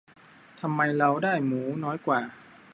ทำไมเราได้หมูน้อยกว่า